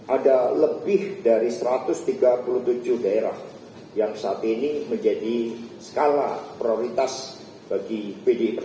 ada lebih dari satu ratus tiga puluh tujuh daerah yang saat ini menjadi skala prioritas bagi pdi perjuangan